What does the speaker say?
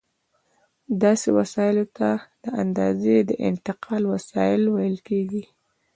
داسې وسایلو ته د اندازې د انتقال وسایل ویل کېږي.